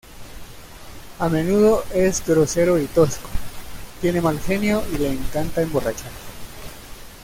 A menudo es grosero y tosco, tiene mal genio y le encanta emborracharse.